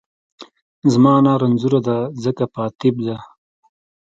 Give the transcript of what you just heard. زما انا رنځورۀ دۀ ځکه په اتېب دۀ